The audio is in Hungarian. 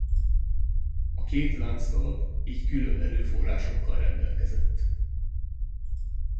A két lánctalp így külön erőforrásokkal rendelkezett.